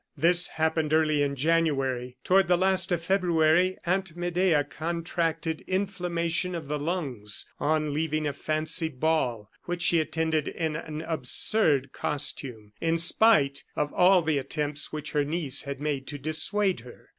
This happened early in January. Toward the last of February, Aunt Medea contracted inflammation of the lungs on leaving a fancy ball, which she attended in an absurd costume, in spite of all the attempts which her niece made to dissuade her.